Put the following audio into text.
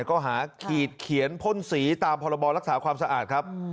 ข้อหาขีดเขียนพ่นสีตามพรบรักษาความสะอาดครับ